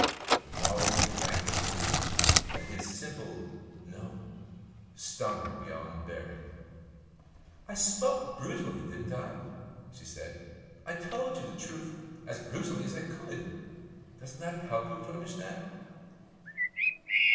The knowledge rankled within her, and his simple "no" stung her beyond bearing. "I spoke brutally, didn't I?" she said. "I told you the truth as brutally as I could. Doesn't that help you to understand?"